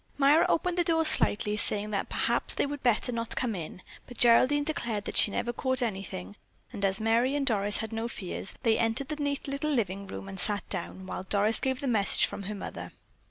Myra opened the door slightly, saying that perhaps they would better not come in, but Geraldine declared that she never caught anything, and as Merry and Doris had no fears, they entered the neat little living room and sat down, while Doris gave the message from her mother.